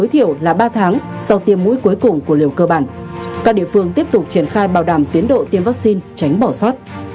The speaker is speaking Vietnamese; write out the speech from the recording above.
hãy đăng ký kênh để ủng hộ kênh của chúng mình nhé